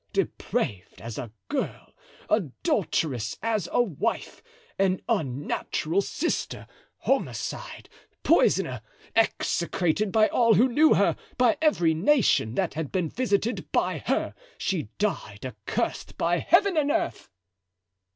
Depraved as a girl, adulterous as a wife, an unnatural sister, homicide, poisoner, execrated by all who knew her, by every nation that had been visited by her, she died accursed by Heaven and earth."